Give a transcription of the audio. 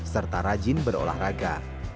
serta rajin berolahraga